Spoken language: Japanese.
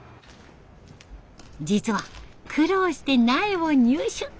実は苦労して苗を入手。